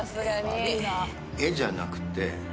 「えっ」じゃなくて。